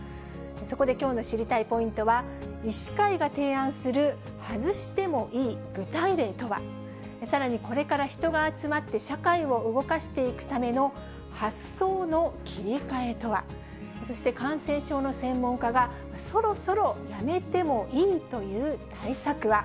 そこできょうの知りたいポイントは、医師会が提案する外してもいい具体例とは、さらにこれから人が集まって社会を動かしていくための発想の切り替えとは、そして感染症の専門家が、そろそろやめてもいいという対策は。